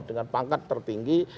dengan pangkat tertinggi